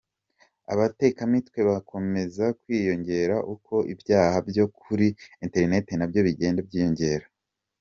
Abatekamitwe bakomeza kwiyongera, uko ibyaha byo kuri internet nabyo bigenda byiyongera.